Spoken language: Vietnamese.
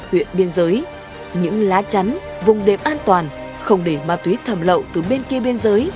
huyện biên giới những lá chắn vùng đệm an toàn không để ma túy thầm lậu từ bên kia biên giới